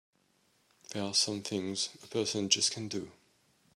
There are some things a person just can't do!